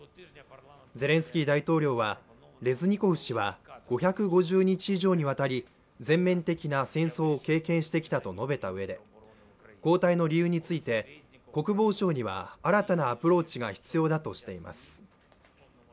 ゼレンスキー大統領は、レズニコフ氏は５５０日以上にわたり全面的な戦争を経験してきたと述べたうえで交代の理由について国防省には新たなアプローチが必要だとしています。